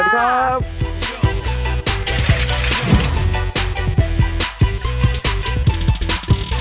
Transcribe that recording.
สวัสดีค่ะ